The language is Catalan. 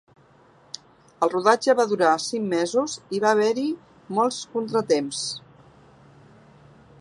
El rodatge va durar cinc mesos i va haver-hi molts contratemps.